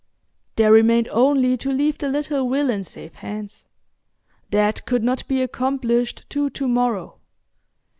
There remained only to leave the little will in safe hands: that could not be accomplished to to morrow.